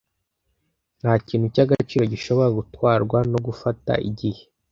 Ntakintu cyagaciro gishobora gutwarwa no gufata igihe.